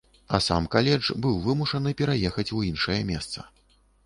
А сам каледж быў вымушаны пераехаць у іншае месца.